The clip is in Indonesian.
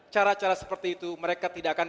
cara cara seperti itu mereka tidak akan